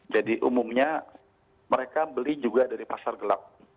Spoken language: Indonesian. jadi umumnya mereka beli juga dari pasar gelap